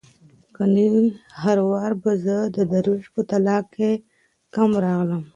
کنې هر وار به زه دروېش په تاله کم راغلمه